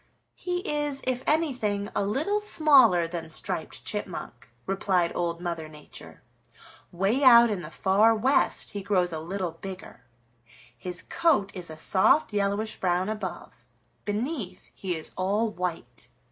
"He is, if anything, a little smaller than Striped Chipmunk," replied Old Mother Nature. "Way out in the Far West he grows a little bigger. His coat is a soft yellowish brown above; beneath he is all white.